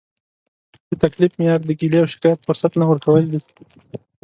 د تکلیف معیار د ګیلې او شکایت فرصت نه ورکول دي.